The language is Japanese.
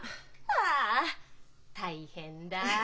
ああ大変だあ。